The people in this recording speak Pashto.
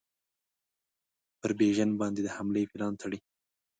پر بیژن باندي د حملې پلان تړي.